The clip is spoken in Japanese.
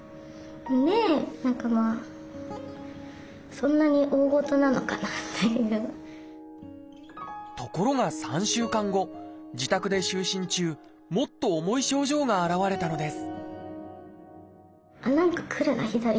それもまたところが３週間後自宅で就寝中もっと重い症状が現れたのです